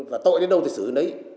và tội đến đâu thì xử đến đấy